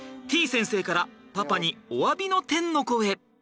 先生からパパにおわびの天の声。